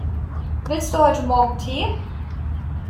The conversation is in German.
Willst du heute Morgen Tee?